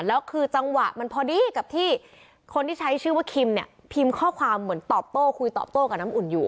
แล้วคือจังหวะมันพอดีกับที่คนที่ใช้ชื่อว่าคิมเนี่ยพิมพ์ข้อความเหมือนตอบโต้คุยตอบโต้กับน้ำอุ่นอยู่